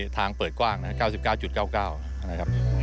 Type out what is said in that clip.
ทางเปิดกว้าง๙๙๙๙นะครับ